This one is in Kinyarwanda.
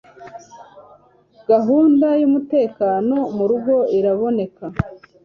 Gahunda yumutekano mu rugo iraboneka